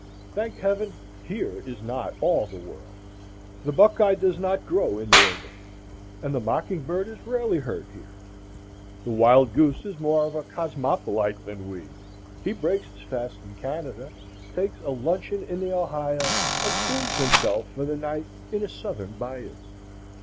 Thank Heaven, here is not all the world. The buck eye does not grow in New England, and the mocking bird is rarely heard here. The wild goose is more of a cosmopolite than we; he breaks his fast in Canada, takes a luncheon in the Ohio, and plumes himself for the night in a southern bayou.